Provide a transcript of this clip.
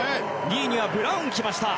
２位にはブラウンが来ました。